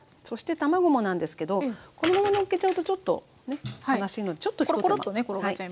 そして卵もなんですけどこのままのっけちゃうとちょっとね悲しいのでちょっと一手間。